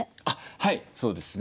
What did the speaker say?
はいそうですね